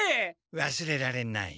わすれられない！